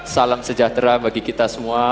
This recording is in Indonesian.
salam sejahtera bagi kita semua